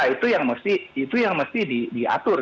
itu yang mesti diatur